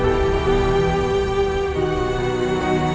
sangat kerohanian siapa pun